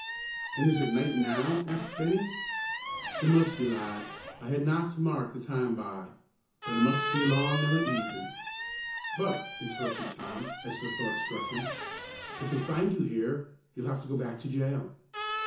"An' is it night now?" asked Bennie. "It mus' be, lad. I ha' naught to mark the time by, but it mus' be along i' the evenin'." "But," interrupted Tom, as the thought struck him, "if they find you here, you'll have to go back to the jail."